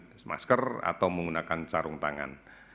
pakai masker atau menggunakan sarung tangan